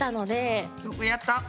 よくやった！